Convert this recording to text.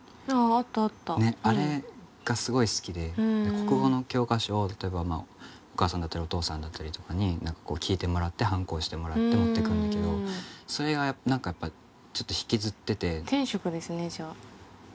国語の教科書を例えばお母さんだったりお父さんだったりとかに聞いてもらってはんこを押してもらって持ってくんだけどそれが何かやっぱちょっと引きずってて。